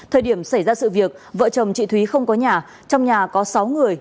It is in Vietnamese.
thời điểm xảy ra sự việc vợ chồng chị thúy không có nhà trong nhà có sáu người